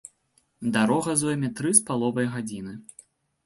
Дарога зойме тры з паловай гадзіны.